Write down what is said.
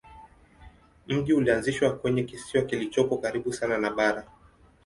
Mji ulianzishwa kwenye kisiwa kilichopo karibu sana na bara.